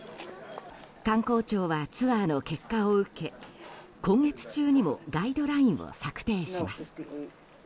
観光庁はツアーの結果を受け今月中にもガイドラインを策定します。